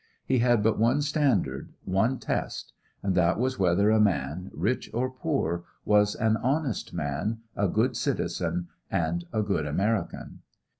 He had but one standard one test, and that was whether a man, rich or poor, was an honest man, a good citizen, and a good American.